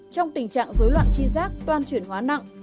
trong tình trạng dối loạn chi giác toan chuyển hóa nặng